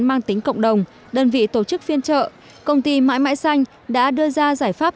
mang tính cộng đồng đơn vị tổ chức phiên trợ công ty mãi mãi xanh đã đưa ra giải pháp